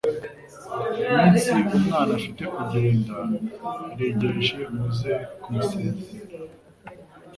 iminsi umwana afite kugenda iregereje muze kumusezera